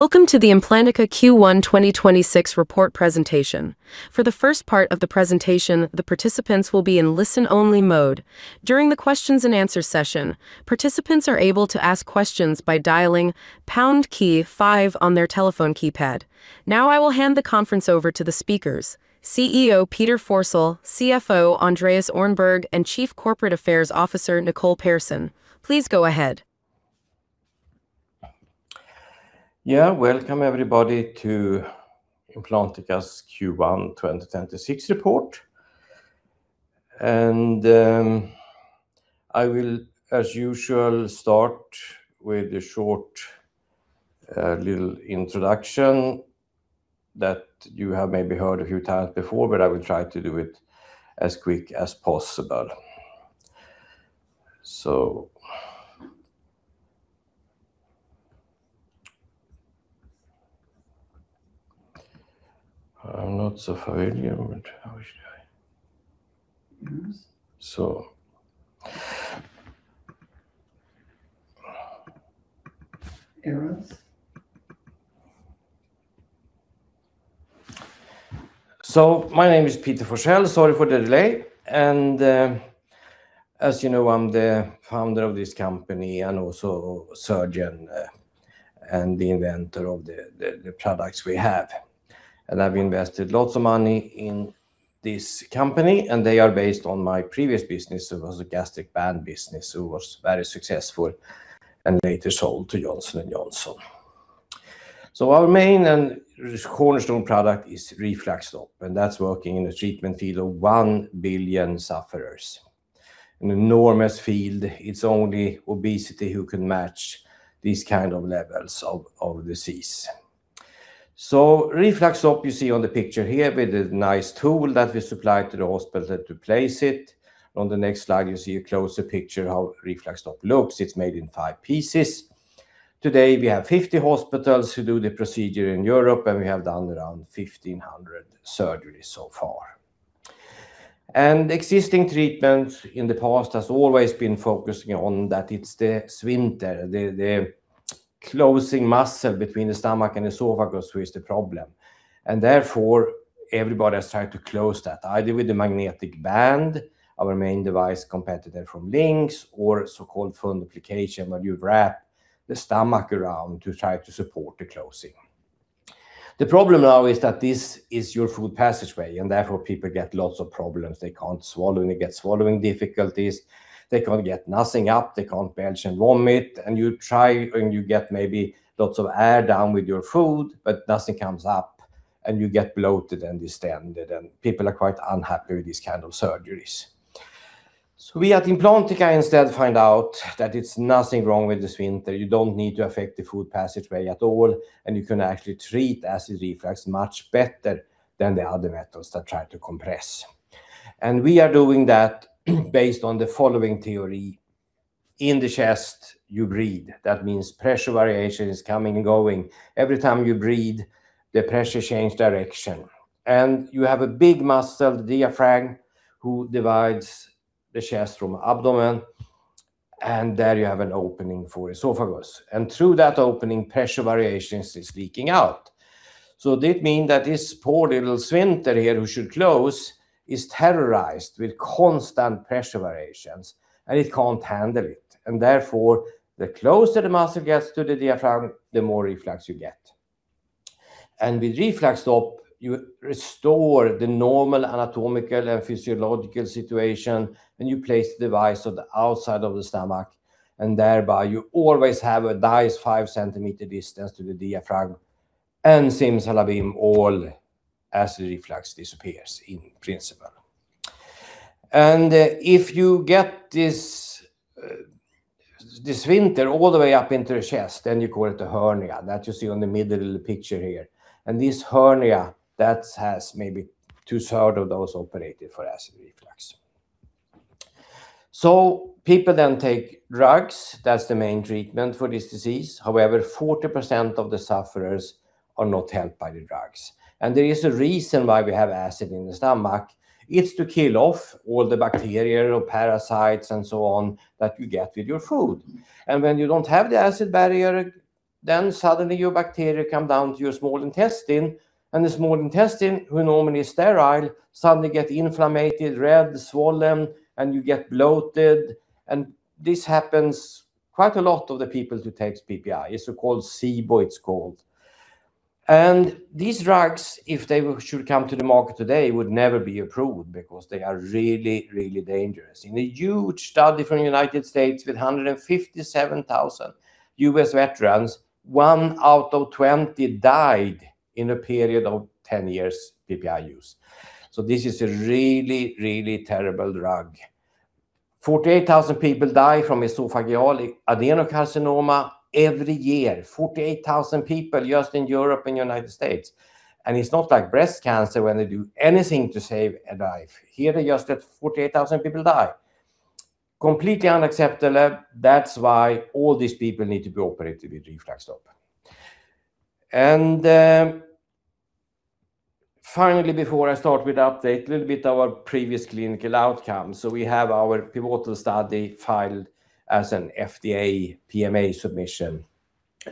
Welcome to the Implantica Q1 2026 report presentation. For the first part of the presentation, the participants will be in listen-only mode. I will hand the conference over to the speakers, CEO Peter Forsell, CFO Andreas Öhrnberg, and Chief Corporate Affairs Officer Nicole Pehrsson. Please go ahead. Yeah. Welcome everybody to Implantica's Q1 2026 report. I will, as usual, start with a short little introduction that you have maybe heard a few times before, but I will try to do it as quickly as possible. I'm not so familiar with how should I— Errors. So— Errors? My name is Peter Forsell. Sorry for the delay, and as you know, I'm the Founder of this company and also a surgeon and the inventor of the products we have. I've invested lots of money in this company, and they are based on my previous business. It was a gastric band business that was very successful and later sold to Johnson & Johnson. Our main and cornerstone product is RefluxStop, and that's working in the treatment field of 1 billion sufferers. An enormous field. It's only obesity that can match these kinds of levels of disease. RefluxStop you see on the picture here with a nice tool that we supply to the hospital to place it. On the next slide, you see a closer picture of how RefluxStop looks. It's made in five pieces. Today, we have 50 hospitals that do the procedure in Europe, and we have done around 1,500 surgeries so far. Existing treatment in the past has always been focusing on that it's the sphincter, the closing muscle between the stomach and esophagus, which is the problem. Therefore, everybody has tried to close that, either with the magnetic band, our main device competitor from LINX or so-called fundoplication, where you wrap the stomach around to try to support the closing. The problem now is that this is your food passageway, and therefore people get lots of problems. They can't swallow, and they get swallowing difficulties. They can't get anything up. They can't belch and vomit. You try, and you get maybe lots of air down with your food, but nothing comes up, and you get bloated and distended. People are quite unhappy with these kinds of surgeries. We at Implantica instead find out that it's nothing wrong with the sphincter. You don't need to affect the food passageway at all. You can actually treat acid reflux much better than the other methods that try to compress. We are doing that based on the following theory. In the chest, you breathe. That means pressure variation is coming and going. Every time you breathe, the pressure changes direction. You have a big muscle, the diaphragm, who divides the chest from the abdomen, and there you have an opening for the esophagus. Through that opening, pressure variations are leaking out. That means that this poor little sphincter here, which should close, is terrorized with constant pressure variations, and it can't handle it. Therefore, the closer the muscle gets to the diaphragm, the more reflux you get. With RefluxStop, you restore the normal anatomical and physiological situation, you place the device on the outside of the stomach, and thereby you always have a nice 5 cm distance to the diaphragm. And simsalabim, all acid reflux disappears in principle. If you get this sphincter all the way up into the chest, then you call it a hernia. That you see on the middle picture here. This hernia has maybe two-third of those operated for acid reflux. People then take drugs. That's the main treatment for this disease. However, 40% of the sufferers are not helped by the drugs. There is a reason why we have acid in the stomach. It's to kill off all the bacteria or parasites and so on that you get with your food. When you don't have the acid barrier, suddenly your bacteria come down to your small intestine, and the small intestine, which normally is sterile, suddenly gets inflamed, red, swollen, and you get bloated. This happens quite a lot to the people who take PPI. It's called SIBO. These drugs, if they should come to the market today, would never be approved because they are really, really dangerous. In a huge study from the United States with 157,000 U.S. veterans, one out of 20 died in a period of 10 years of PPI use. This is a really, really terrible drug. 48,000 people die from esophageal adenocarcinoma every year. 48,000 people just in Europe and the United States It's not like breast cancer, where they do anything to save a life. Here, they just let 48,000 people die. Completely unacceptable. That's why all these people need to be operated with RefluxStop. Finally, before I start with update, a little bit of our previous clinical outcomes. We have our pivotal study filed as an FDA PMA submission.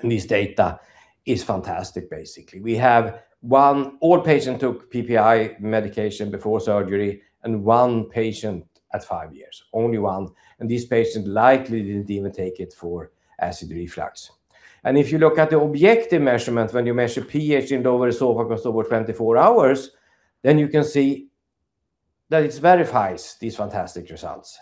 This data is fantastic, basically. All patients took PPI medication before surgery, and one patient at five years, only one, and this patient likely didn't even take it for acid reflux. If you look at the objective measurement, when you measure pH in the esophagus over 24-hours, then you can see that it verifies these fantastic results.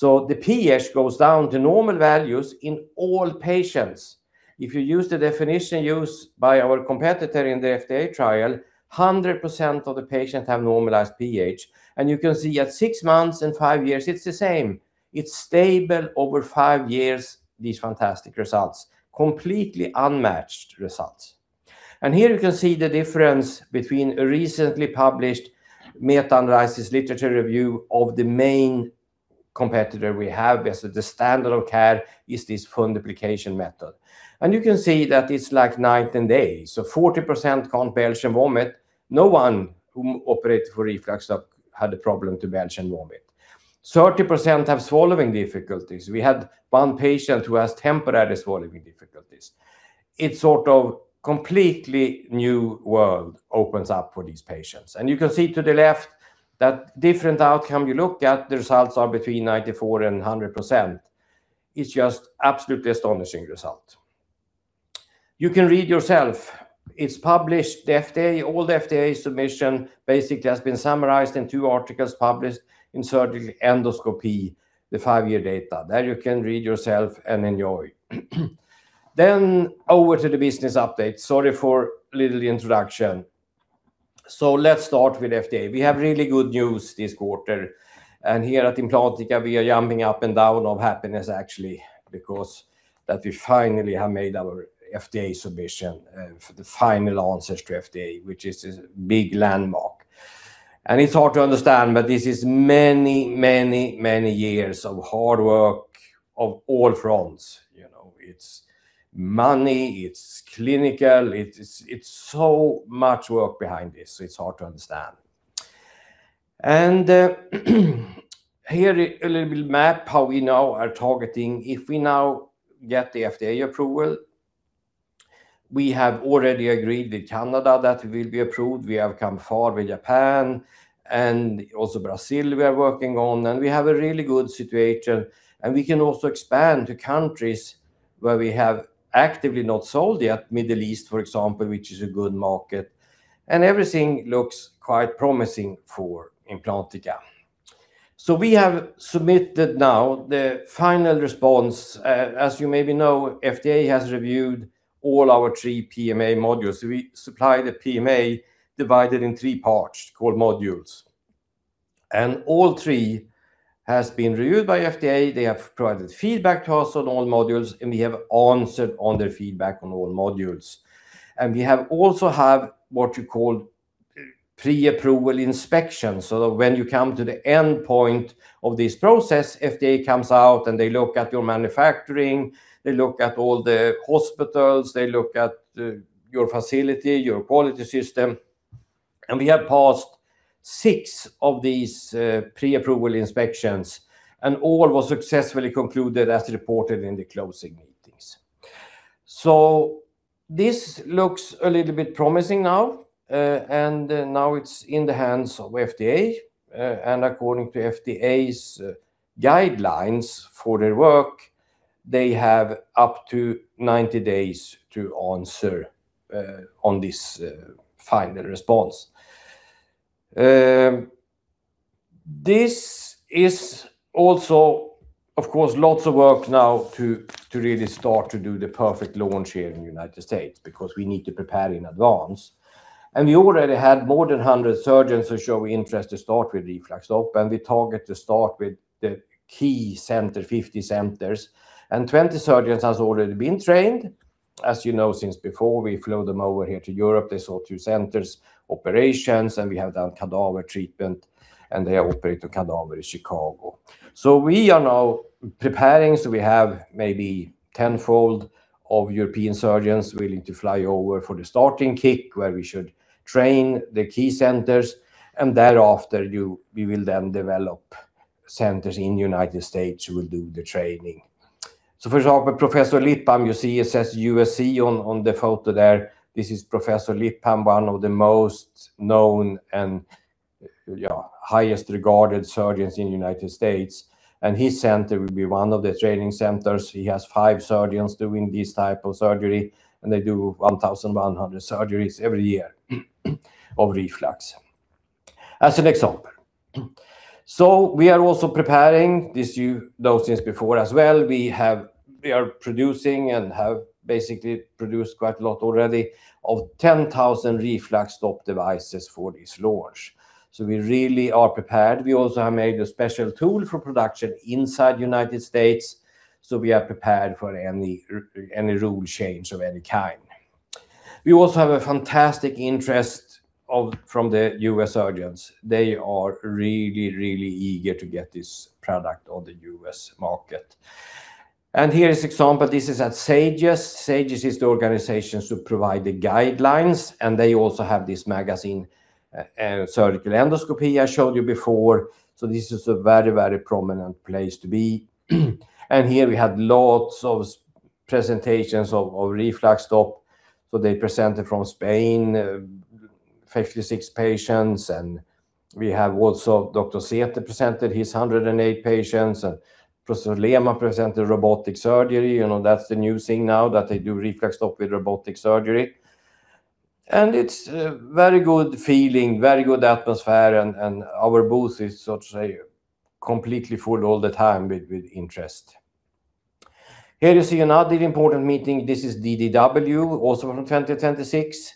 The pH goes down to normal values in all patients. If you use the definition used by our competitor in the FDA trial, 100% of the patients have normalized pH. You can see at six months and five years, it's the same. It's stable over five years, these fantastic results. Completely unmatched results. Here you can see the difference between a recently published meta-analysis literature review of the main competitor we have. Basically, the standard of care is this fundoplication method. You can see that it's like night and day. 40% can't belch and vomit. No one who operated for RefluxStop had a problem to belch and vomit. 30% have swallowing difficulties. We had one patient who has temporary swallowing difficulties. It sort of completely new world opens up for these patients. You can see to the left that different outcome you look at, the results are between 94%-100%, is just absolutely astonishing result. You can read yourself. It's published. All the FDA submission basically has been summarized in two articles published in Surgical Endoscopy, the five-year data. That you can read yourself and enjoy. Over to the business update. Sorry for little introduction. Let's start with FDA. We have really good news this quarter. Here at Implantica, we are jumping up and down of happiness actually, because that we finally have made our FDA submission, for the final answer to FDA, which is a big landmark. It's hard to understand, but this is many, many, many years of hard work of all fronts. It's money. It's clinical. It's so much work behind this. It's hard to understand. Here a little bit map how we now are targeting. If we now get the FDA approval, we have already agreed with Canada that we will be approved. We have come far with Japan, and also Brazil we are working on, and we have a really good situation, and we can also expand to countries where we have actively not sold yet, Middle East, for example, which is a good market. Everything looks quite promising for Implantica. We have submitted now the final response. As you maybe know, FDA has reviewed all our three PMA modules. We supply the PMA divided in three parts called modules. All three has been reviewed by FDA. They have provided feedback to us on all modules, and we have answered on their feedback on all modules. We have also have what you call pre-approval inspection. When you come to the end point of this process, FDA comes out and they look at your manufacturing, they look at all the hospitals, they look at your facility, your quality system. We have passed six of these pre-approval inspections, and all was successfully concluded as reported in the closing meetings. This looks a little bit promising now. Now it's in the hands of FDA. According to FDA's guidelines for their work, they have up to 90 days to answer on this final response. This is also, of course, lots of work now to really start to do the perfect launch here in the United States, because we need to prepare in advance. We already had more than 100 surgeons who show interest to start with RefluxStop. We target to start with the key center, 50 centers. 20 surgeons has already been trained. As you know, since before, we flew them over here to Europe. They saw two centers' operations, and we have done cadaver treatment, and they operate a cadaver in Chicago. We are now preparing. We have maybe tenfold of European surgeons willing to fly over for the starting kick, where we should train the key centers. Thereafter, we will then develop centers in the United States who will do the training. For example, Professor Lipham, you see it says USC on the photo there. This is Professor Lipham, one of the most known and highest regarded surgeons in the United States, and his center will be 1 of the training centers. He has five surgeons doing this type of surgery, and they do 1,100 surgeries every year of reflux. As an example, we are also preparing those things before as well. We are producing and have basically produced quite a lot already of 10,000 RefluxStop devices for this launch. We really are prepared. We also have made a special tool for production inside United States. We are prepared for any rule change of any kind. We also have a fantastic interest from the U.S. surgeons. They are really eager to get this product on the U.S. market. Here is example. This is at SAGES. SAGES is the organization to provide the guidelines, and they also have this magazine, Surgical Endoscopy, I showed you before. This is a very prominent place to be. Here we have lots of presentations of RefluxStop. They presented from Spain, 56 patients, and we have also Dr. Zehetner presented his 108 patients, and Professor Lehmann presented robotic surgery. That's the new thing now, that they do RefluxStop with robotic surgery. It's a very good feeling, very good atmosphere, and our booth is completely full all the time with interest. Here you see another important meeting. This is DDW, also from 2026.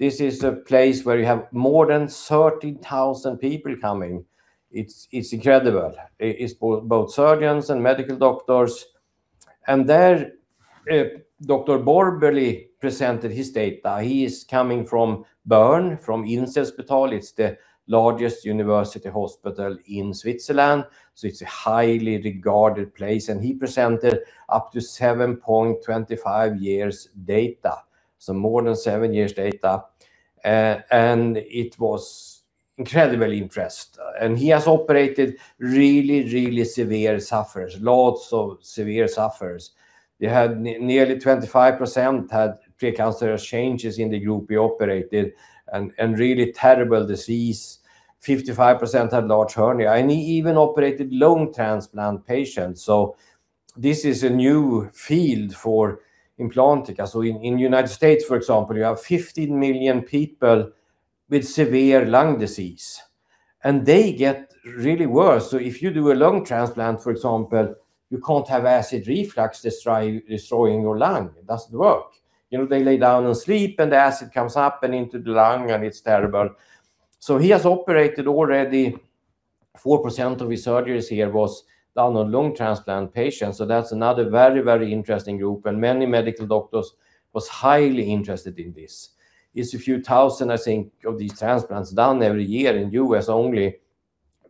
This is a place where you have more than 30,000 people coming. It's incredible. It's both surgeons and medical doctors. There, Dr. Borbély presented his data. He is coming from Bern, from Inselspital. It's the largest university hospital in Switzerland, so it's a highly regarded place. He presented up to 7.25 years data, so more than seven years data. It was incredibly impressed. He has operated really severe sufferers, lots of severe sufferers. Nearly 25% had precancerous changes in the group he operated and really terrible disease. 55% had large hernia, and he even operated lung transplant patients. This is a new field for Implantica. In United States, for example, you have 15 million people with severe lung disease, and they get really worse. If you do a lung transplant, for example, you can't have acid reflux destroying your lung. It doesn't work. They lay down and sleep, and the acid comes up and into the lung, and it's terrible. He has operated already, 4% of his surgeries here was done on lung transplant patients. That's another very interesting group. Many medical doctors was highly interested in this. It's a few thousand, I think, of these transplants done every year in U.S. only,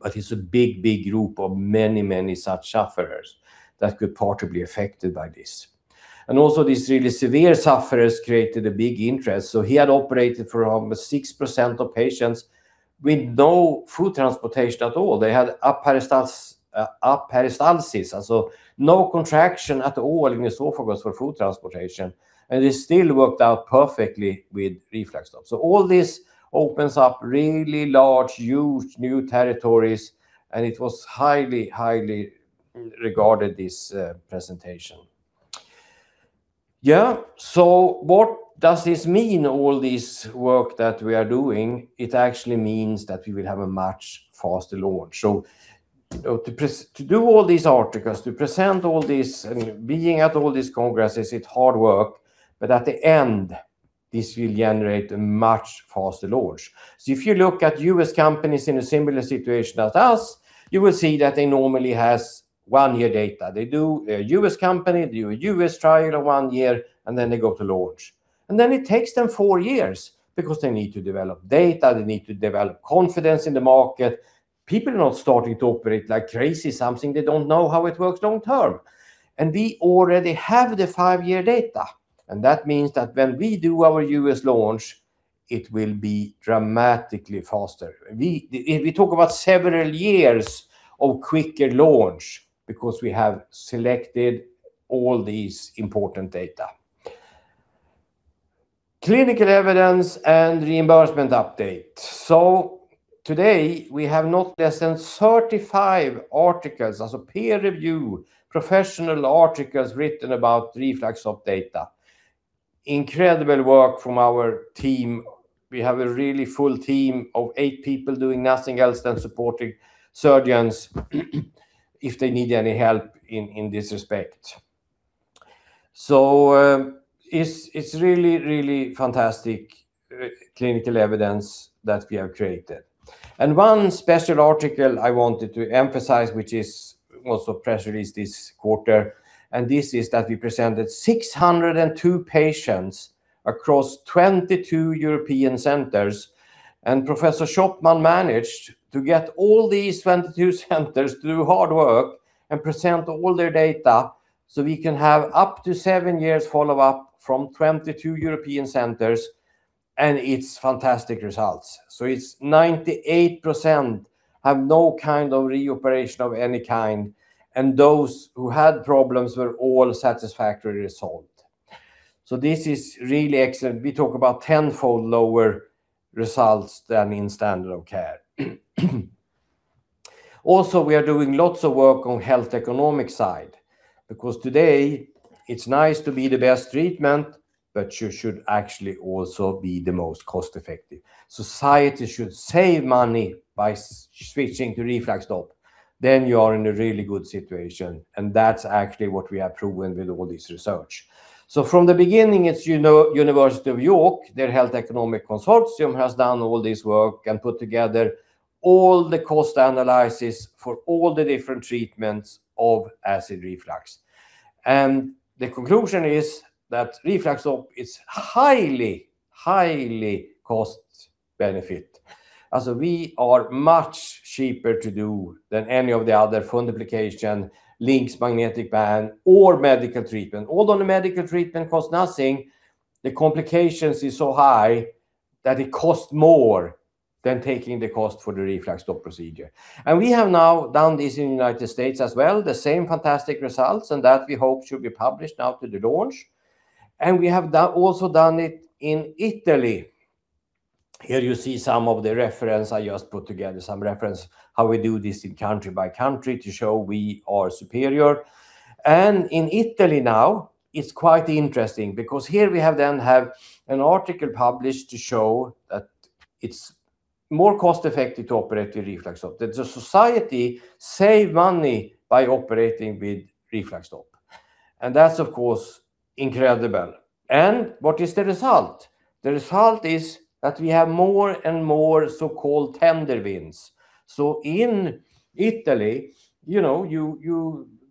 but it's a big, big group of many such sufferers that could partly be affected by this. Also these really severe sufferers created a big interest. He had operated for almost 6% of patients with no food transportation at all. They had aperistalsis, and so no contraction at all in esophagus for food transportation. It still worked out perfectly with RefluxStop. All this opens up really large, huge new territories, and it was highly regarded, this presentation. What does this mean, all this work that we are doing? It actually means that we will have a much faster launch. To do all these articles, to present all this, and being at all these congresses, it's hard work, but at the end, this will generate a much faster launch. If you look at U.S. companies in a similar situation as us, you will see that they normally has one year data. They do a U.S. company, do a U.S. trial of one year, and then they go to launch. It takes them four years because they need to develop data. They need to develop confidence in the market. People are not starting to operate like crazy something they don't know how it works long term. We already have the five-year data, and that means that when we do our U.S. launch, it will be dramatically faster. We talk about several years of quicker launch because we have selected all these important data. Clinical evidence and reimbursement update. Today, we have not less than 35 articles as a peer review, professional articles written about RefluxStop data. Incredible work from our team. We have a really full team of eight people doing nothing else than supporting surgeons if they need any help in this respect. It's really fantastic clinical evidence that we have created. One special article I wanted to emphasize, which is also press release this quarter, and this is that we presented 602 patients across 22 European centers, and Professor Schoppmann managed to get all these 22 centers to do hard work and present all their data so we can have up to seven years follow-up from 22 European centers, and it's fantastic results. It's 98% have no reoperation of any kind, and those who had problems were all satisfactory resolved. This is really excellent. We talk about tenfold lower results than in standard of care. Also, we are doing lots of work on health economic side because today it's nice to be the best treatment, but you should actually also be the most cost-effective. Society should save money by switching to RefluxStop. You are in a really good situation, and that's actually what we have proven with all this research. From the beginning, it's University of York. Their health economic consortium has done all this work and put together all the cost analysis for all the different treatments of acid reflux. The conclusion is that RefluxStop is highly, highly cost-benefit. We are much cheaper to do than any of the other fundoplication, LINX magnetic band, or medical treatment. Although the medical treatment costs nothing, the complications is so high that it costs more than taking the cost for the RefluxStop procedure. We have now done this in the United States as well, the same fantastic results, and that we hope should be published after the launch. We have also done it in Italy. Here you see some of the reference. I just put together some references how we do this in country by country to show we are superior. In Italy now, it's quite interesting because here we have an article published to show that it's more cost effective to operate the RefluxStop. That the society save money by operating with RefluxStop. That's of course incredible. What is the result? The result is that we have more and more so-called tender wins. In Italy,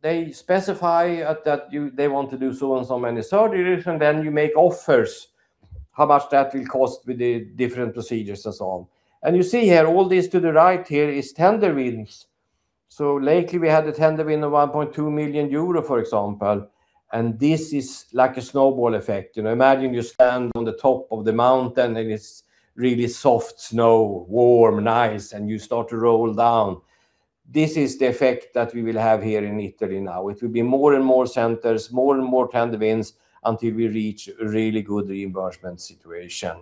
they specify that they want to do so and so many surgeries, then you make offers, how much that will cost with the different procedures and so on. You see here, all this to the right here is tender wins. Lately we had a tender win of 1.2 million euro, for example, this is like a snowball effect. Imagine you stand on the top of the mountain, and it's really soft snow, warm, nice, and you start to roll down. This is the effect that we will have here in Italy now. It will be more and more centers, more and more tender wins until we reach a really good reimbursement situation.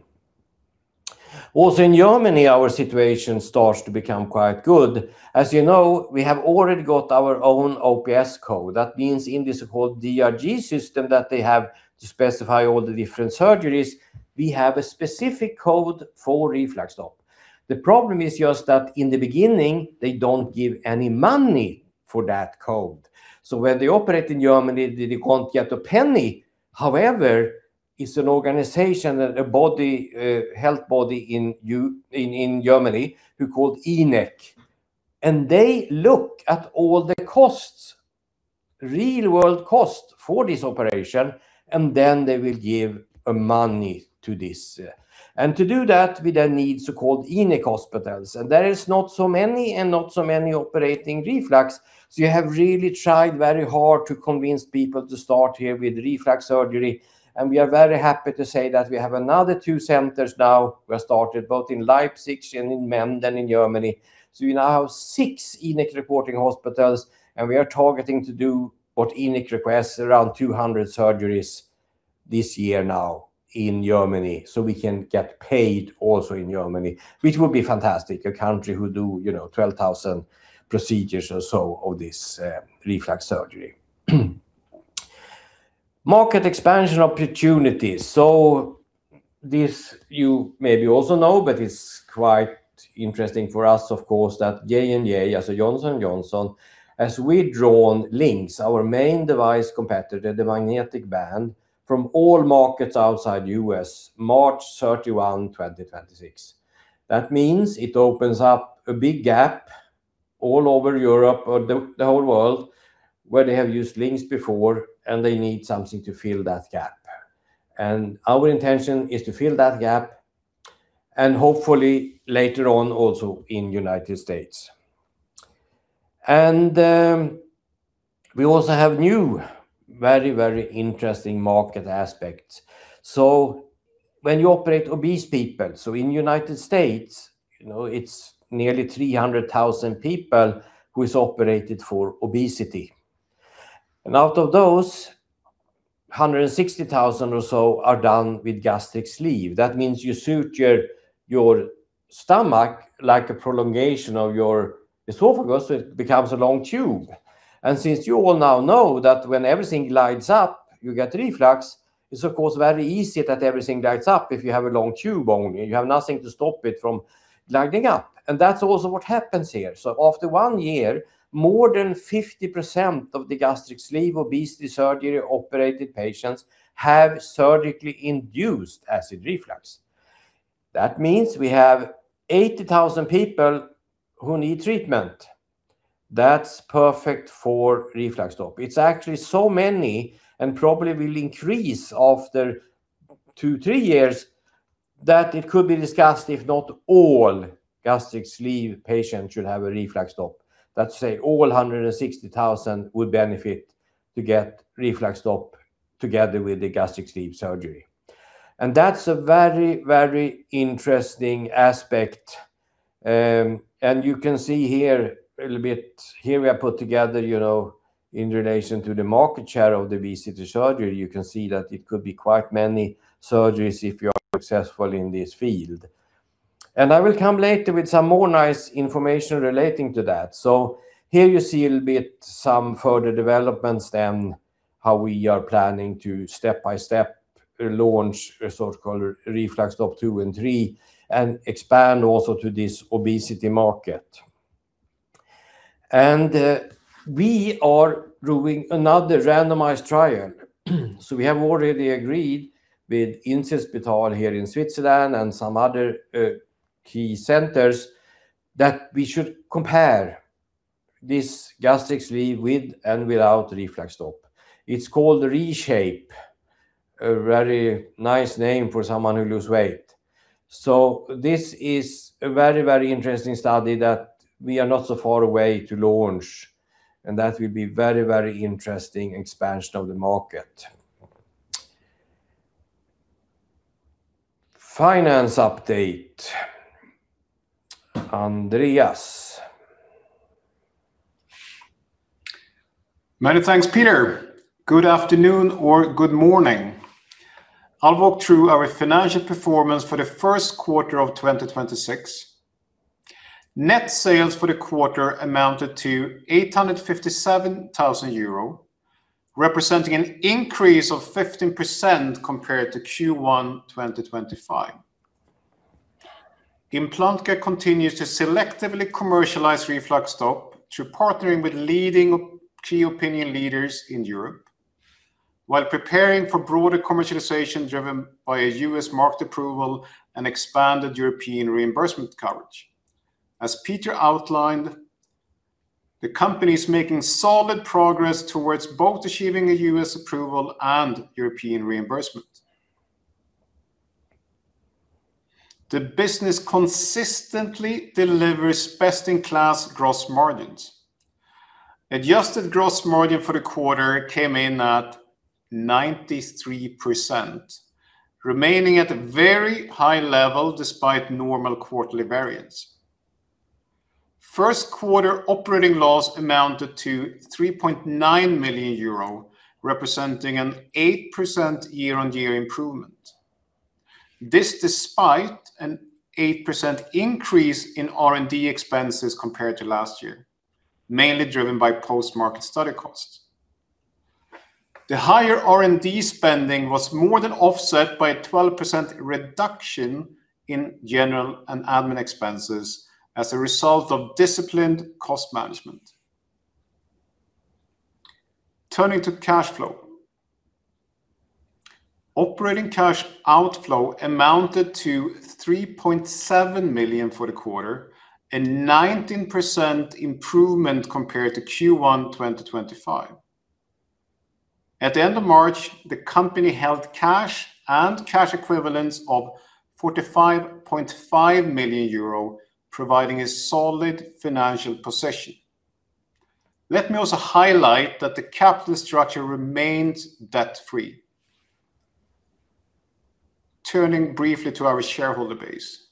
In Germany, our situation starts to become quite good. As you know, we have already got our own OPS code. Means in this so-called DRG system that they have to specify all the different surgeries, we have a specific code for RefluxStop. The problem is just that in the beginning, they don't give any money for that code. When they operate in Germany, they don't get a penny. It's an organization, a health body in Germany called InEK, and they look at all the costs, real-world cost for this operation, and then they will give money to this. To do that, we need so-called InEK hospitals. There is not so many, and not so many operating reflux, so you have really tried very hard to convince people to start here with reflux surgery. We are very happy to say that we have another two centers now were started, both in Leipzig and in Menden, Germany. We now have six InEK reporting hospitals, and we are targeting to do what InEK requests, around 200 surgeries this year now in Germany, so we can get paid also in Germany, which will be fantastic. A country who do 12,000 procedures or so of this reflux surgery. Market expansion opportunities. This you maybe also know, but it's quite interesting for us, of course, that J&J, so Johnson & Johnson, has withdrawn LINX, our main device competitor, the magnetic band, from all markets outside U.S. March 31, 2026. That means it opens up a big gap all over Europe or the whole world where they have used LINX before, and they need something to fill that gap. Our intention is to fill that gap and hopefully later on also in the United States. We also have new very interesting market aspects. When you operate obese people, so in United States, it's nearly 300,000 people who is operated for obesity. Out of those, 160,000 or so are done with gastric sleeve. That means you suture your stomach like a prolongation of your esophagus, so it becomes a long tube. Since you all now know that when everything glides up, you get reflux, it's of course very easy that everything glides up if you have a long tube on you. You have nothing to stop it from gliding up. That's also what happens here. After one year, more than 50% of the gastric sleeve obesity surgery operated patients have surgically induced acid reflux. That means we have 80,000 people who need treatment. That's perfect for RefluxStop. It's actually so many and probably will increase after two, three years, that it could be discussed if not all gastric sleeve patients should have a RefluxStop. Let's say all 160,000 would benefit to get RefluxStop together with the gastric sleeve surgery. That's a very, very interesting aspect. You can see here a little bit, here we have put together in relation to the market share of the obesity surgery. You can see that it could be quite many surgeries if you are successful in this field. I will come later with some more nice information relating to that. Here you see a little bit some further developments then how we are planning to step by step launch so-called RefluxStop 2 and 3 and expand also to this obesity market. We are doing another randomized trial. We have already agreed with Inselspital here in Switzerland and some other key centers that we should compare this gastric sleeve with and without RefluxStop. It's called Reshape, a very nice name for someone who loses weight. This is a very interesting study that we are not so far away to launch, and that will be a very interesting expansion of the market. Finance update. Andreas. Many thanks, Peter. Good afternoon or good morning. I'll walk through our financial performance for the first quarter of 2026. Net sales for the quarter amounted to 857,000 euro, representing an increase of 15% compared to Q1 2025. Implantica continues to selectively commercialize RefluxStop through partnering with leading key opinion leaders in Europe while preparing for broader commercialization driven by a U.S. market approval and expanded European reimbursement coverage. As Peter outlined, the company is making solid progress towards both achieving a U.S. approval and European reimbursement. The business consistently delivers best-in-class gross margins. Adjusted gross margin for the quarter came in at 93%, remaining at a very high level despite normal quarterly variance. First quarter operating loss amounted to 3.9 million euro, representing an 8% year-on-year improvement. This despite an 8% increase in R&D expenses compared to last year, mainly driven by post-market study costs. The higher R&D spending was more than offset by a 12% reduction in general and admin expenses as a result of disciplined cost management. Turning to cash flow. Operating cash outflow amounted to 3.7 million for the quarter, a 19% improvement compared to Q1 2025. At the end of March, the company held cash and cash equivalents of 45.5 million euro, providing a solid financial position. Let me also highlight that the capital structure remains debt-free. Turning briefly to our shareholder base.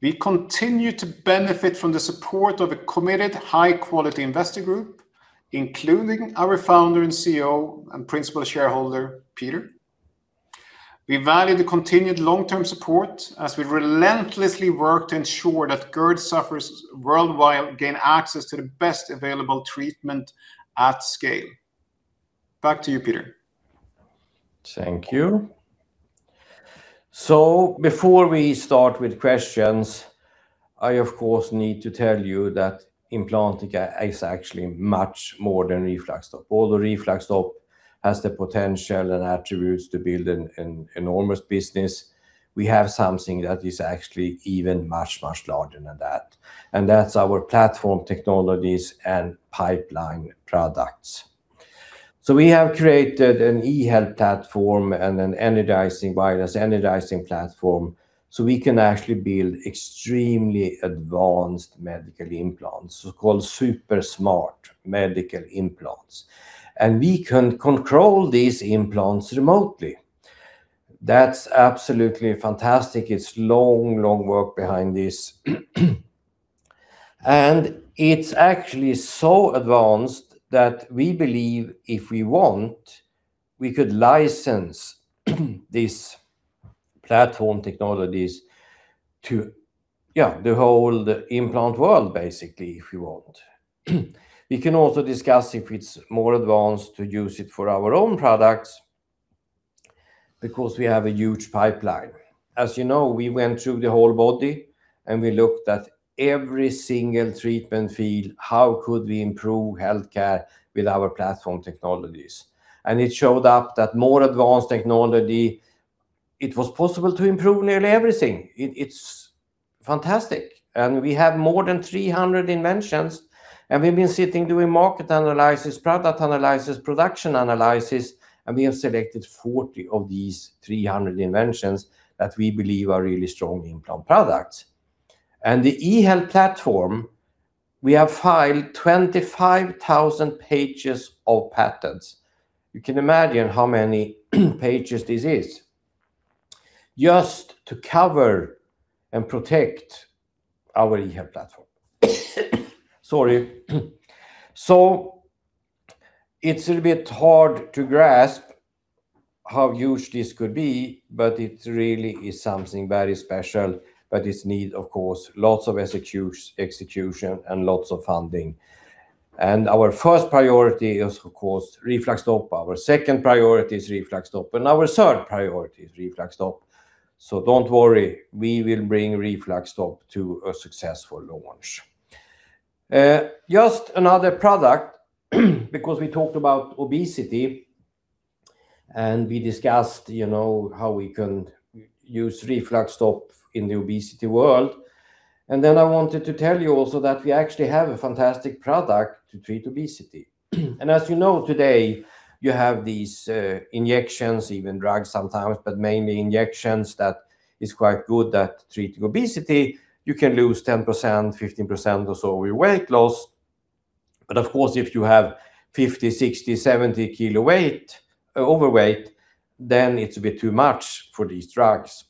We continue to benefit from the support of a committed high-quality investor group, including our Founder and CEO and Principal Shareholder, Peter. We value the continued long-term support as we relentlessly work to ensure that GERD sufferers worldwide gain access to the best available treatment at scale. Back to you, Peter. Thank you. Before we start with questions, I, of course, need to tell you that Implantica is actually much more than RefluxStop. Although RefluxStop has the potential and attributes to build an enormous business, we have something that is actually even much larger than that, and that's our platform technologies and pipeline products. We have created an eHealth platform and a wireless energizing platform, so we can actually build extremely advanced medical implants, so-called super smart medical implants. We can control these implants remotely. That's absolutely fantastic. It's long work behind this. It's actually so advanced that we believe if we want, we could license these platform technologies to the whole implant world, basically, if we want. We can also discuss if it's more advanced to use it for our own products because we have a huge pipeline. As you know, we went through the whole body. We looked at every single treatment field. How could we improve healthcare with our platform technologies? It showed up that more advanced technology, it was possible to improve nearly everything. It's fantastic. We have more than 300 inventions, and we've been sitting, doing market analysis, product analysis, production analysis, and we have selected 40 of these 300 inventions that we believe are really strong Implantica products. The eHealth platform, we have filed 25,000 pages of patents. You can imagine how many pages this is just to cover and protect our eHealth platform. Sorry. It's a bit hard to grasp how huge this could be, but it really is something very special. This needs, of course, lots of execution and lots of funding. Our first priority is, of course, RefluxStop. Our second priority is RefluxStop, and our third priority is RefluxStop. Don't worry, we will bring RefluxStop to a successful launch. Just another product because we talked about obesity. We discussed how we can use RefluxStop in the obesity world. I wanted to tell you also that we actually have a fantastic product to treat obesity. As you know, today, you have these injections, even drugs sometimes, but mainly injections that is quite good at treating obesity. You can lose 10%, 15% or so with weight loss. Of course, if you have 50 kg, 60 kg, 70 kg overweight, then it's a bit too much for these drugs.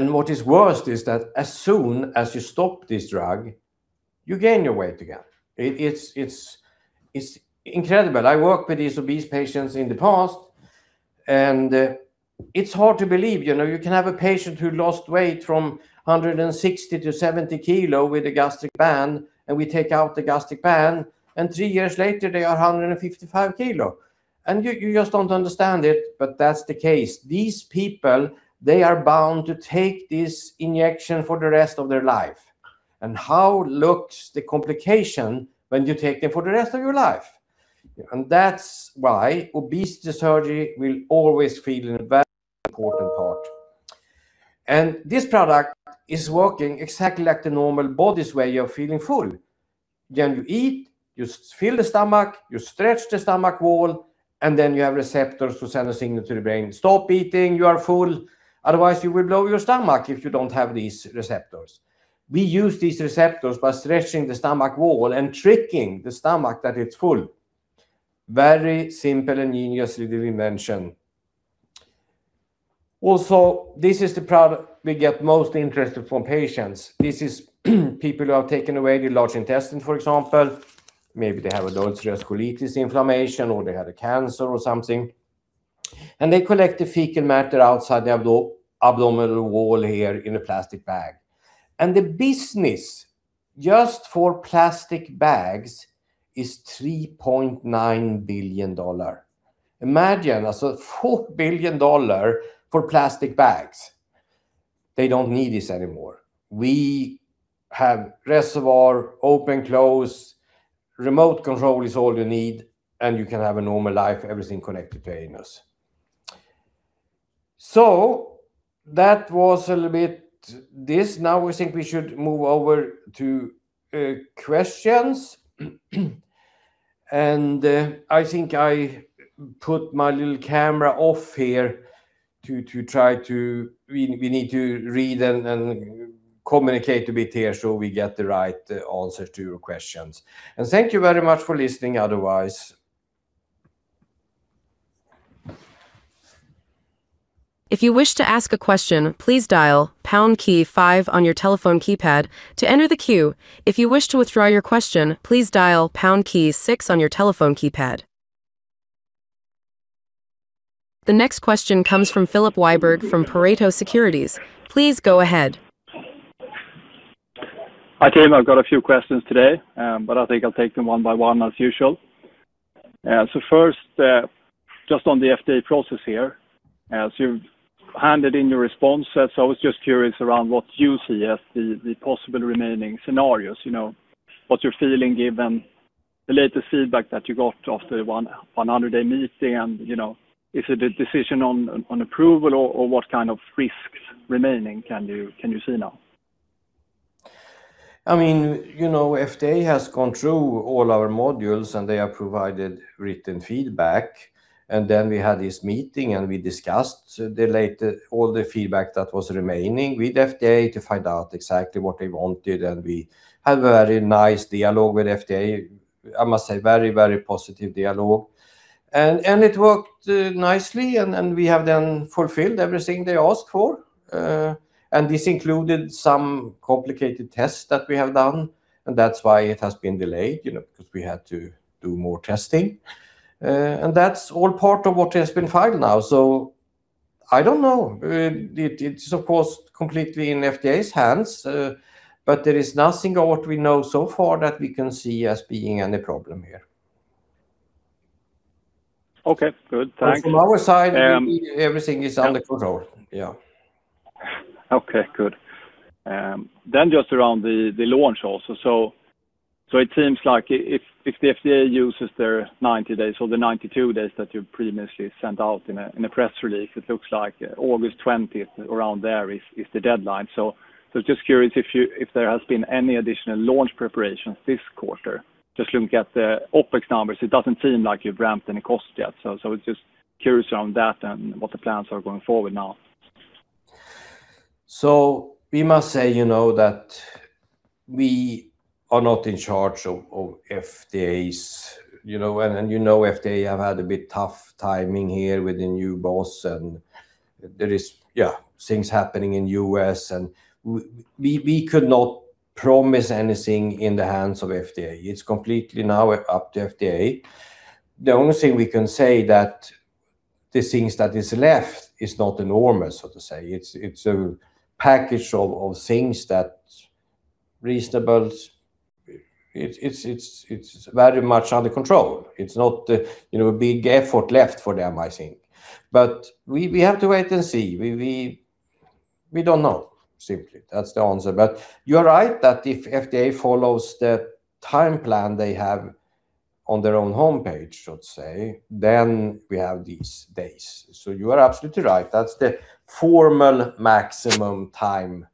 What is worst is that as soon as you stop this drug, you gain your weight again. It's incredible. I worked with these obese patients in the past, and it's hard to believe. You can have a patient who lost weight from 160 kg to 70 kg with a gastric band, and we take out the gastric band, and three years later, they are 155 kg. You just don't understand it, but that's the case. These people, they are bound to take this injection for the rest of their life. How looks the complication when you take them for the rest of your life? That's why obesity surgery will always feel an important part. This product is working exactly like the normal body's way of feeling full. You eat, you fill the stomach, you stretch the stomach wall, and then you have receptors to send a signal to the brain, "Stop eating, you are full." Otherwise, you will blow your stomach if you don't have these receptors. We use these receptors by stretching the stomach wall and tricking the stomach that it's full. Very simple and genius little invention. This is the product we get most interest from patients. This is people who have taken away the large intestine, for example. Maybe they have ulcerative colitis inflammation, or they had a cancer or something, and they collect the fecal matter outside the abdominal wall here in a plastic bag. The business just for plastic bags is $3.9 billion. Imagine, $4 billion for plastic bags. They don't need this anymore. We have reservoir, open, close. Remote control is all you need, and you can have a normal life, everything connected painlessly. That was a little bit this. Now we think we should move over to questions. I think I put my little camera off here. We need to read and communicate a bit here so we get the right answers to your questions. Thank you very much for listening otherwise. The next question comes from Filip Wiberg from Pareto Securities. Please go ahead. Hi, team. I've got a few questions today. I think I'll take them one by one as usual. First, just on the FDA process here. As you've handed in your response, I was just curious around what you see as the possible remaining scenarios. What you're feeling given the latest feedback that you got after the 100-day meeting, is it a decision on approval or what kind of risks remaining can you see now? FDA has gone through all our modules, they have provided written feedback. We had this meeting, we discussed all the feedback that was remaining with FDA to find out exactly what they wanted. We had a very nice dialogue with FDA. I must say, very positive dialogue. It worked nicely, we have then fulfilled everything they asked for. This included some complicated tests that we have done, that's why it has been delayed, because we had to do more testing. That's all part of what has been filed now. I don't know. It is, of course, completely in FDA's hands. There is nothing of what we know so far that we can see as being any problem here. Okay, good. Thanks. From our side, everything is under control. Okay, good. Just around the launch also. It seems like if the FDA uses their 90 days or the 92 days that you previously sent out in a press release, it looks like August 20th, around there, is the deadline. I was just curious if there has been any additional launch preparations this quarter. Just looking at the OpEx numbers, it doesn't seem like you've ramped any cost yet. I was just curious on that and what the plans are going forward now. We must say that we are not in charge of FDA. You know FDA have had a bit tough timing here with the new boss. There is things happening in U.S., we could not promise anything in the hands of FDA. It's completely now up to FDA. The only thing we can say that the things that is left is not enormous, so to say. It's a package of things that reasonable. It's very much under control. It's not a big effort left for them, I think. We have to wait and see. We don't know, simply. That's the answer. You are right that if FDA follows the time plan they have on their own homepage, should say, then we have these days. You are absolutely right. That's the formal maximum time.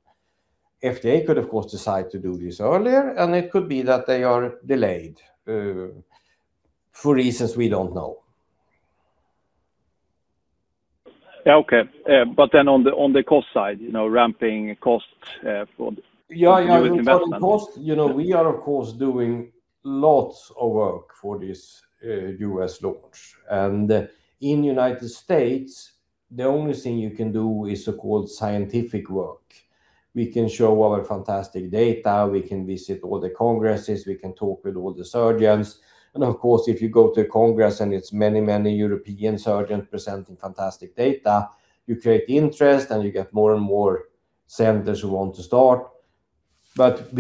FDA could, of course, decide to do this earlier, and it could be that they are delayed for reasons we don't know. Okay. On the cost side, ramping costs for the— Yeah. On cost, we are of course doing lots of work for this U.S. launch. In the United States, the only thing you can do is scientific work. We can show our fantastic data, we can visit all the congresses, we can talk with all the surgeons. Of course, if you go to congress and it's many, many European surgeons presenting fantastic data, you create interest, and you get more and more centers who want to start. At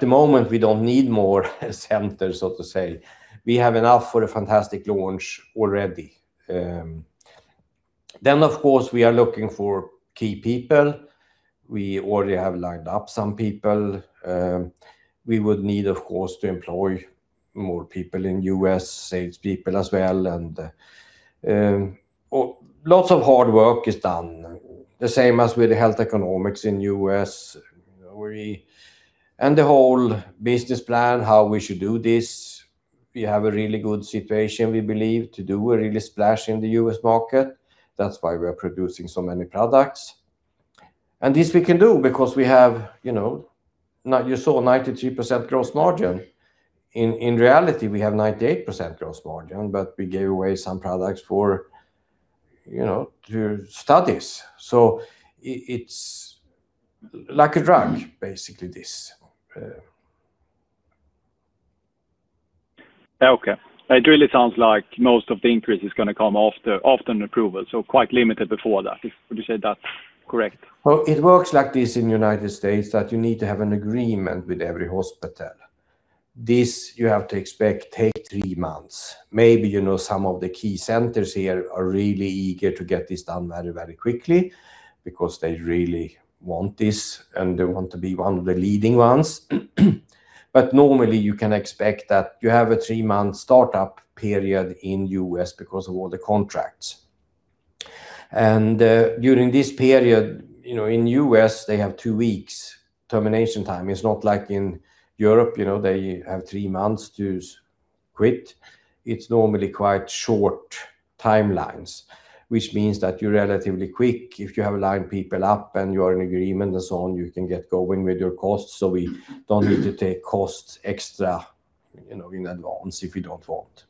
the moment, we don't need more centers, so to say. We have enough for a fantastic launch already. Of course, we are looking for key people. We already have lined up some people. We would need, of course, to employ more people in U.S., salespeople as well. Lots of hard work is done. The same as with the health economics in U.S., and the whole business plan, how we should do this. We have a really good situation, we believe, to do a really splash in the U.S. market. That's why we are producing so many products. You saw 93% gross margin. In reality, we have 98% gross margin, but we gave away some products for studies. It's like a drug, basically, this. Okay. It really sounds like most of the increase is going to come after the approval, so quite limited before that. Would you say that is correct? Well, it works like this in the United States, that you need to have an agreement with every hospital. This, you have to expect, takes three months. Maybe some of the key centers here are really eager to get this done very quickly because they really want this, and they want to be one of the leading ones. Normally, you can expect that you have a three-month startup period in the U.S. because of all the contracts. During this period, in the U.S., they have two weeks termination time. It's not like in Europe, they have three months to quit. It's normally quite short timelines, which means that you're relatively quick. If you have lined people up and you are in agreement and so on, you can get going with your costs, so we don't need to take costs extra in advance if we don't want.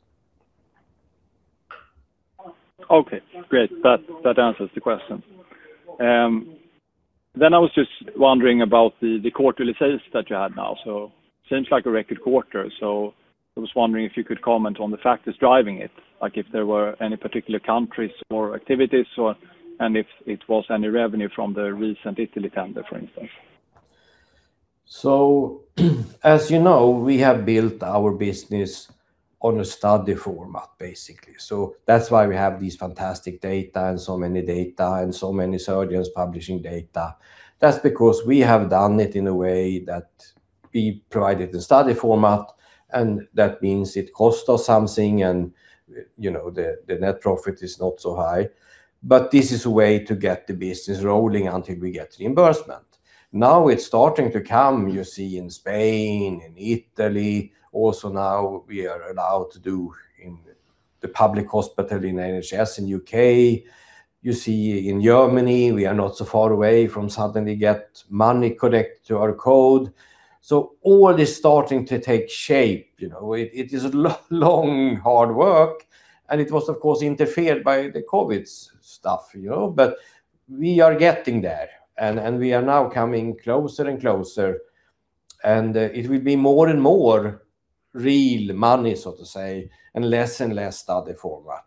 Okay, great. That answers the question. I was just wondering about the quarterly sales that you had now. Seems like a record quarter. I was wondering if you could comment on the factors driving it, like if there were any particular countries or activities, and if it was any revenue from the recent Italy tender, for instance. As you know, we have built our business on a study format, basically. That's why we have this fantastic data and so many data and so many surgeons publishing data. That's because we have done it in a way that we provided the study format, and that means it costs us something and the net profit is not so high. This is a way to get the business rolling until we get reimbursement. Now it's starting to come, you see in Spain and Italy. Also now we are allowed to do in the public hospital in NHS in U.K. You see in Germany, we are not so far away from suddenly get money connected to our code. All is starting to take shape. It is a long, hard work, and it was, of course, interfered by the COVID stuff. We are getting there, and we are now coming closer and closer, and it will be more and more real money, so to say, and less and less study format.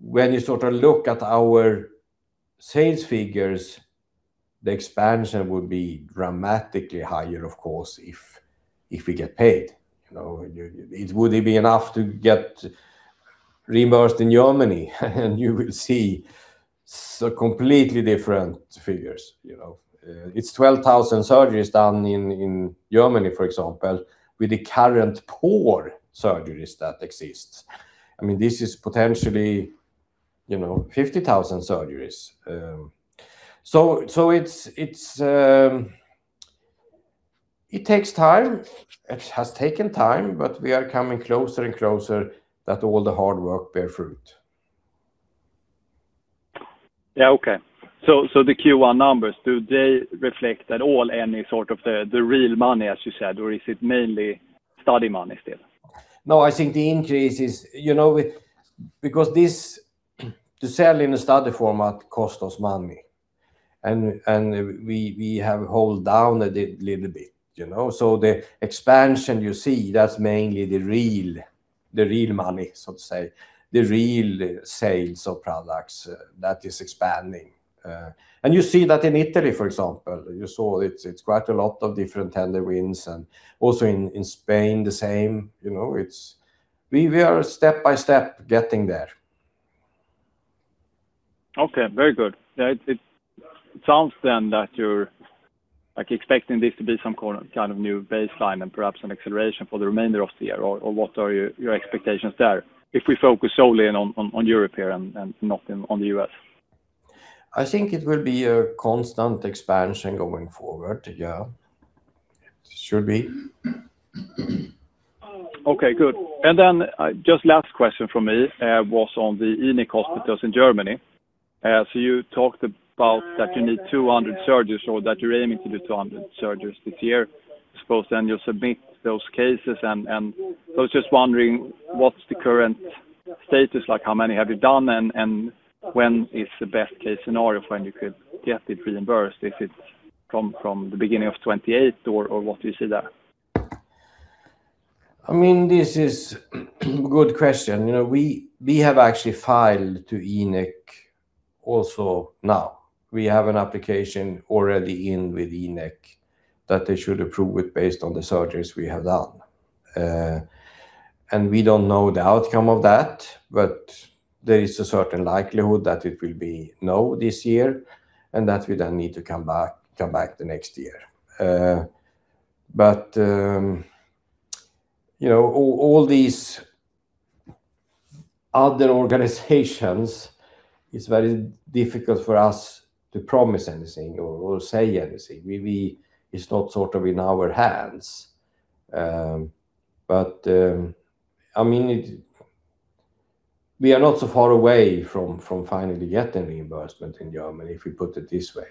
When you look at our sales figures, the expansion would be dramatically higher, of course, if we get paid. It would be enough to get reimbursed in Germany, and you will see some completely different figures. It's 12,000 surgeries done in Germany, for example, with the current poor surgeries that exist. This is potentially 50,000 surgeries. It takes time. It has taken time, but we are coming closer and closer that all the hard work bear fruit. Yeah, okay. The Q1 numbers, do they reflect at all any sort of the real money, as you said, or is it mainly study money still? No, I think the increase—to sell in a study format costs us money, and we have held down a little bit. The expansion you see, that's mainly the real money, so to say, the real sales of products that is expanding. You see that in Italy, for example. You saw it's quite a lot of different tender wins, and also in Spain, the same. We are step by step getting there. Okay, very good. It sounds that you're expecting this to be some kind of new baseline and perhaps an acceleration for the remainder of the year, or what are your expectations there if we focus solely on Europe here and not on the U.S.? I think it will be a constant expansion going forward. Yeah. Should be. Okay, good. Just last question from me was on the InEK hospitals in Germany. You talked about that you need 200 surgeries or that you're aiming to do 200 surgeries this year. Suppose you submit those cases. I was just wondering what's the current status, like how many have you done, and when is the best case scenario for when you could get it reimbursed, if it's from the beginning of 2028 or what do you see there? This is a good question. We have actually filed to InEK also now. We have an application already in with InEK that they should approve it based on the surgeries we have done. We don't know the outcome of that, there is a certain likelihood that it will be no this year and that we then need to come back the next year. All these other organizations, it's very difficult for us to promise anything or say anything. It's not sort of in our hands. We are not so far away from finally getting reimbursement in Germany, if we put it this way.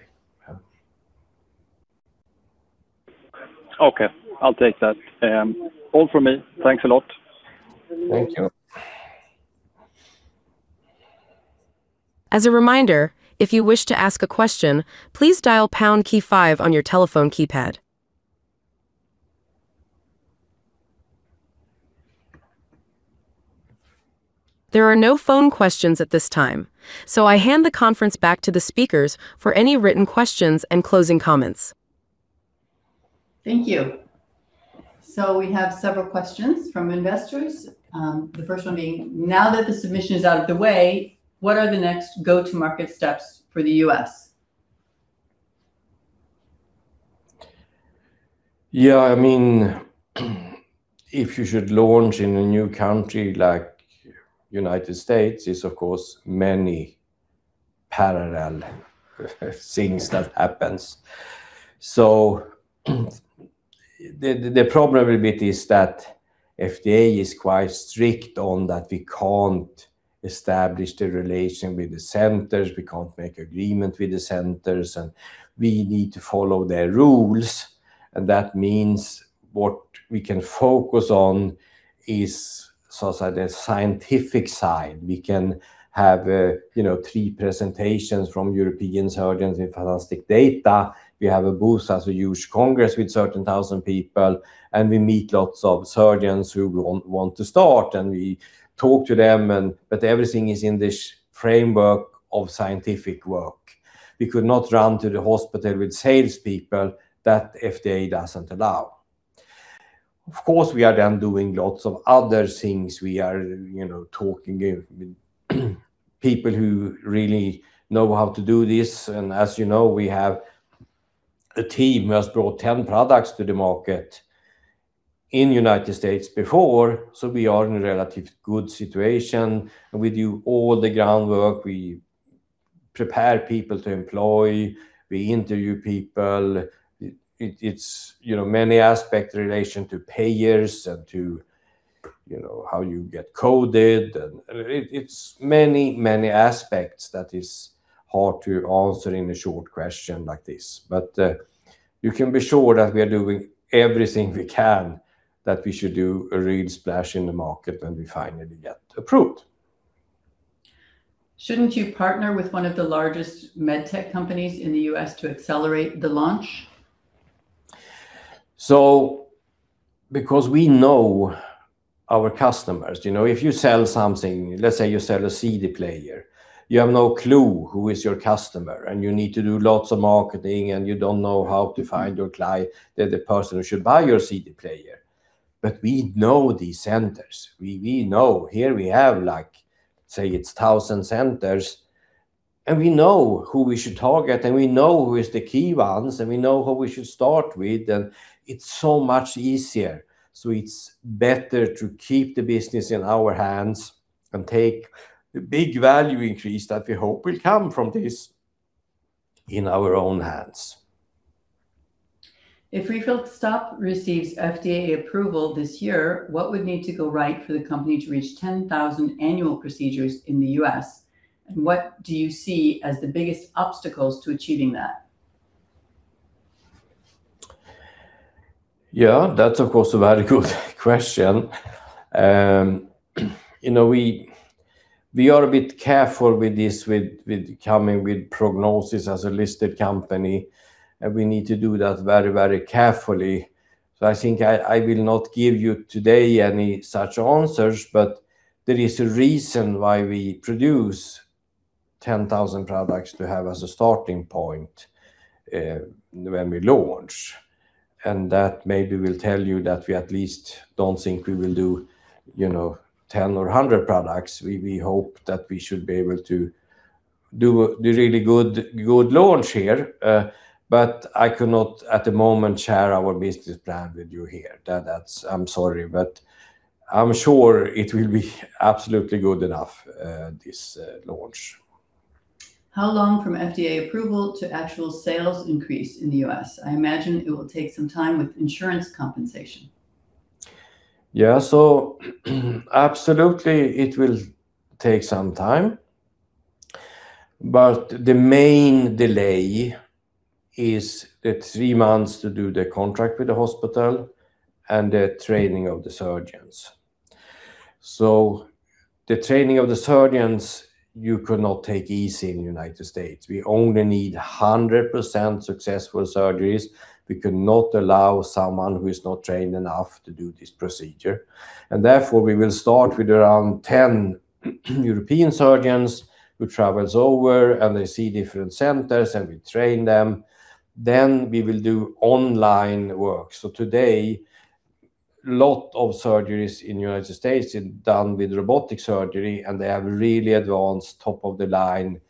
Okay. I'll take that. All from me. Thanks a lot. Thank you. As a reminder if you wish to ask a question please dial pound key five on your telephone keypad There are no phone questions at this time, so I hand the conference back to the speakers for any written questions and closing comments. Thank you. We have several questions from investors. The first one being, now that the submission is out of the way, what are the next go-to market steps for the U.S.? If you should launch in a new country like United States, it's of course many parallel things that happens. The problem a little bit is that FDA is quite strict on that we can't establish the relation with the centers. We can't make agreement with the centers, and we need to follow their rules. That means what we can focus on is sort of the scientific side. We can have three presentations from European surgeons with fantastic data. We have a booth at a huge congress with certain 1,000 people, and we meet lots of surgeons who want to start, and we talk to them, but everything is in this framework of scientific work. We could not run to the hospital with salespeople. That FDA doesn't allow. Of course, we are then doing lots of other things. We are talking with people who really know how to do this. As you know, we have a team who has brought 10 products to the market in United States before, so we are in a relatively good situation. We do all the groundwork. We prepare people to employ. We interview people. It's many aspects relation to payers and to how you get coded. It's many aspects that is hard to answer in a short question like this. You can be sure that we are doing everything we can that we should do a real splash in the market when we finally get approved. Shouldn't you partner with one of the largest med tech companies in the U.S. to accelerate the launch? Because we know our customers. If you sell something, let's say you sell a CD player, you have no clue who is your customer, and you need to do lots of marketing, and you don't know how to find your client, the person who should buy your CD player. We know these centers. We know here we have like, say, it's 1,000 centers, and we know who we should target, and we know who is the key ones, and we know who we should start with, and it's so much easier. It's better to keep the business in our hands and take the big value increase that we hope will come from this in our own hands. If RefluxStop receives FDA approval this year, what would need to go right for the company to reach 10,000 annual procedures in the U.S., what do you see as the biggest obstacles to achieving that? That's of course a very good question. We are a bit careful with this, with coming with prognosis as a listed company. We need to do that very carefully. I think I will not give you today any such answers, but there is a reason why we produce 10,000 products to have as a starting point when we launch. That maybe will tell you that we at least don't think we will do 10 or 100 products. We hope that we should be able to do a really good launch here. I cannot, at the moment, share our business plan with you here. I'm sorry, but I'm sure it will be absolutely good enough, this launch. How long from FDA approval to actual sales increase in the U.S.? I imagine it will take some time with insurance compensation. Yeah. Absolutely it will take some time. The main delay is the three months to do the contract with the hospital and the training of the surgeons. The training of the surgeons, you could not take easy in the United States. We only need 100% successful surgeries. We cannot allow someone who is not trained enough to do this procedure. Therefore, we will start with around 10 European surgeons who travels over, and they see different centers, and we train them. We will do online work. Today, lot of surgeries in United States is done with robotic surgery, and they have really advanced top-of-the-line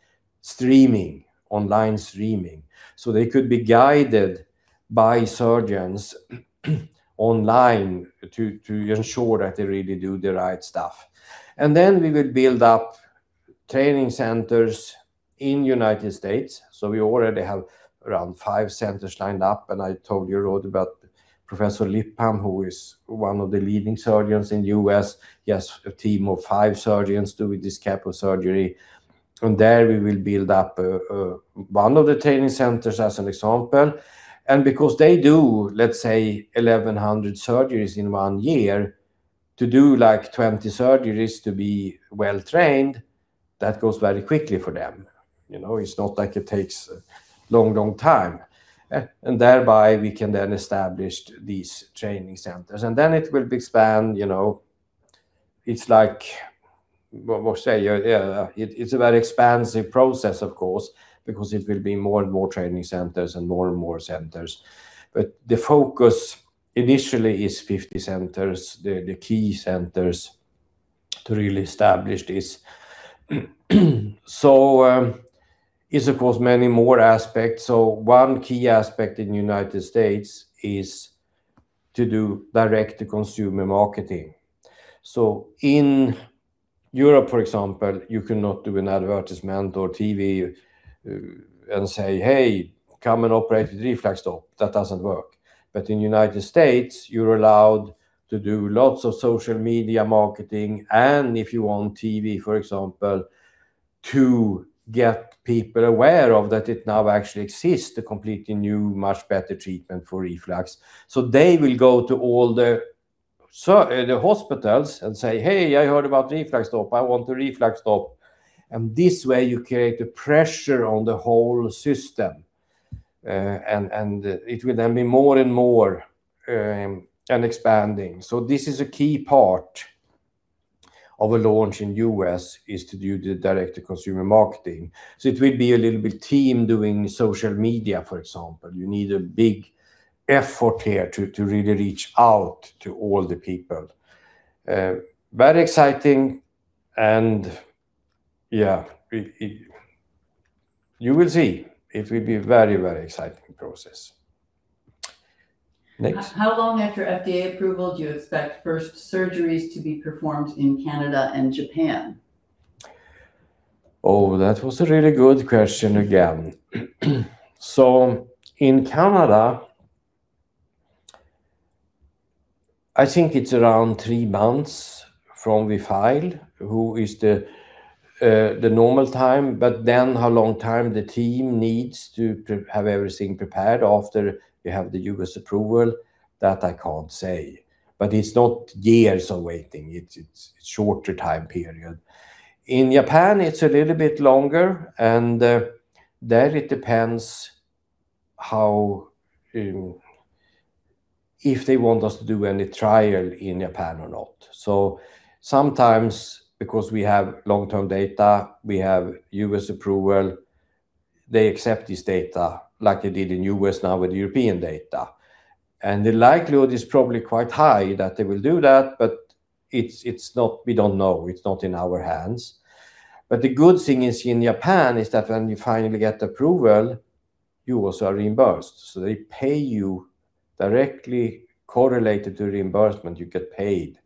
streaming, online streaming. They could be guided by surgeons online to ensure that they really do the right stuff. Then we will build up training centers in United States. We already have around five centers lined up, and I told you already about Professor Lipham, who is one of the leading surgeons in the U.S. He has a team of five surgeons doing this fundoplication. There we will build up one of the training centers, as an example. Because they do, let's say, 1,100 surgeries in one year, to do 20 surgeries to be well-trained, that goes very quickly for them. It's not like it takes a long time. Thereby, we can then establish these training centers. Then it will expand. It's a very expansive process, of course, because it will be more and more training centers and more and more centers. The focus initially is 50 centers. The key centers to really establish this. It's of course many more aspects. One key aspect in the United States is to do direct-to-consumer marketing. In Europe, for example, you cannot do an advertisement or TV and say, "Hey, come and operate with RefluxStop." That doesn't work. In the United States, you're allowed to do lots of social media marketing and if you want TV, for example, to get people aware of that it now actually exists, a completely new, much better treatment for reflux. They will go to all the hospitals and say, "Hey, I heard about RefluxStop. I want the RefluxStop." This way, you create a pressure on the whole system. It will then be more and more, and expanding. This is a key part of a launch in the U.S. is to do the direct-to-consumer marketing. It will be a little bit team doing social media, for example. You need a big effort here to really reach out to all the people. Very exciting, and yeah. You will see. It will be a very exciting process. Next. How long after FDA approval do you expect first surgeries to be performed in Canada and Japan? That was a really good question again. In Canada, I think it's around three months from we file, who is the normal time. How long time the team needs to have everything prepared after we have the U.S. approval, that I can't say. It's not years of waiting. It's shorter time period. In Japan, it's a little bit longer, and there it depends if they want us to do any trial in Japan or not. Sometimes, because we have long-term data, we have U.S. approval, they accept this data like they did in U.S. now with European data. The likelihood is probably quite high that they will do that, but we don't know. It's not in our hands. The good thing is in Japan is that when you finally get approval, you also are reimbursed. They pay you directly correlated to reimbursement. You get paid.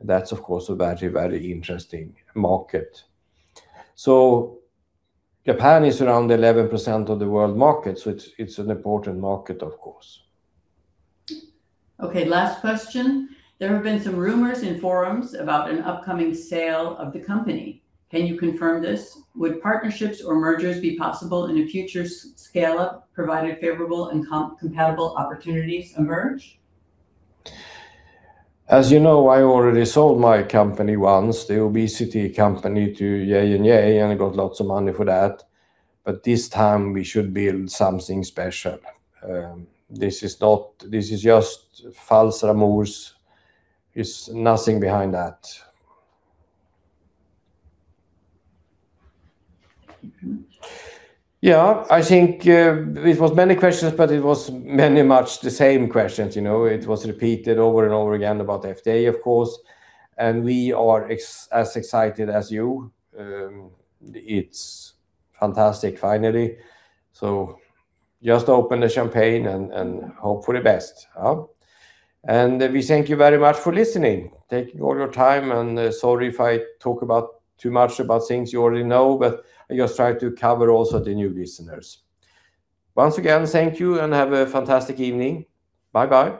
That's of course a very interesting market. Japan is around 11% of the world market. It's an important market, of course. Okay. Last question. There have been some rumors in forums about an upcoming sale of the company. Can you confirm this? Would partnerships or mergers be possible in a future scale-up, provided favorable and compatible opportunities emerge? As you know, I already sold my company once, the obesity company, to J&J, I got lots of money for that. This time, we should build something special. This is just false rumors. It's nothing behind that. Yeah. I think it was many questions, but it was mainly much the same questions. It was repeated over and over again about the FDA, of course. We are as excited as you. It's fantastic finally. Just open the champagne and hope for the best. We thank you very much for listening, taking all your time. Sorry if I talk too much about things you already know, but I just try to cover also the new listeners. Once again, thank you and have a fantastic evening. Bye-bye.